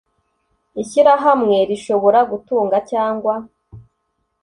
ishyirahamwe rishobora gutunga cyangwa